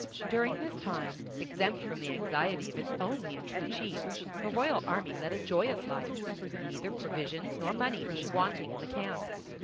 During this time, exempt from the anxiety of its only and true chief, the royal army led a joyous life, neither provisions nor money being wanting in the camp.